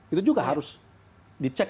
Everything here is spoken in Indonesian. itu juga harus dicek